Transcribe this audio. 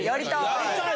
やりたい。